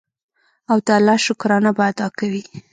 او د الله شکرانه به ادا کوي.